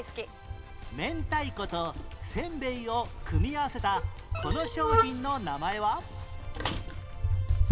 「めんたいこ」と「せんべい」を組み合わせたこの商品の名前は？